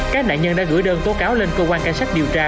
các nạn nhân đã gửi đơn tố cáo lên cơ quan cảnh sát điều tra